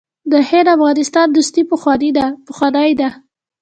د هند او افغانستان دوستي پخوانۍ ده.